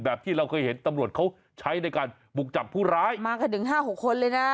ที่เราเคยเห็นตำรวจเขาใช้ในการบุกจับผู้ร้ายมากันถึงห้าหกคนเลยนะ